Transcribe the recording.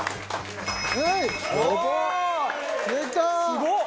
すごっ！